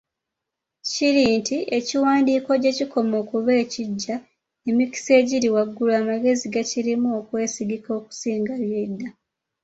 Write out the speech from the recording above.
Kiri nti, ekiwandiikko gye kikoma okuba ekiggya, emikisa giri waggulu amagezi agakirimu okwesigika okusinga eby’edda.